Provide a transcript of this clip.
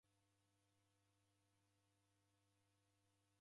Nariranganya rose.